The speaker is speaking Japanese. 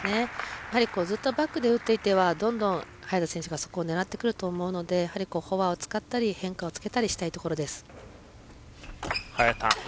ずっとバックで打っていてはどんどん、早田選手がそこを狙ってくると思うのでフォアを使ったり変化をつけたりしたいところです。